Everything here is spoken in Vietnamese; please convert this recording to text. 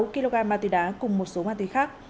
một kg ma túy đá cùng một số ma túy khác